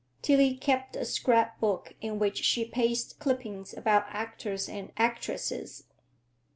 Tillie kept a scrapbook in which she pasted clippings about actors and actresses.